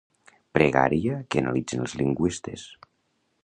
Pregària que analitzen els lingüistes.